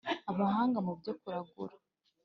abahanga mu byo kuragura